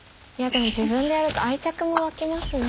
でも自分でやると愛着もわきますね